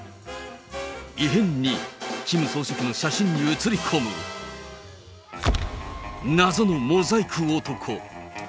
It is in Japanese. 異変２、キム総書記の写真に写り込む謎のモザイク男。